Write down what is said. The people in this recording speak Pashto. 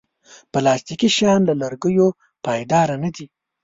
پلاستيکي شیان له لرګیو پایداره نه دي.